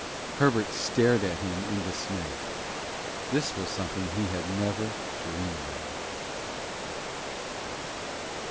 Herbert stared at him in dismay. This was something he had never dreamed of.